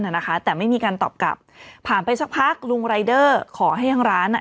น่ะนะคะแต่ไม่มีการตอบกลับผ่านไปซักพักลูกขอให้ทั้งร้านอ่ะ